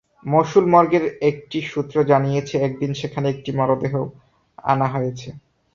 মসুল মর্গের একটি সূত্র জানিয়েছে, এদিন সেখানে একটি মরদেহ আনা হয়েছে।